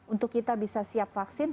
untuk kita bisa siap vaksin